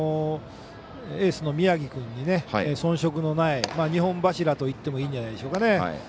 エースの宮城君に遜色のない２本柱といってもいいんじゃないでしょうかね。